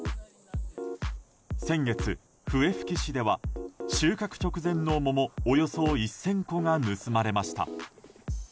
先月、笛吹市では収穫直前の桃およそ１０００個が盗まれました。